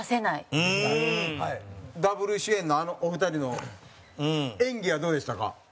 蛍原：Ｗ主演の、あのお二人の演技は、どうでしたか？